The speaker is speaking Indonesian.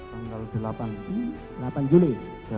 tanggal delapan juli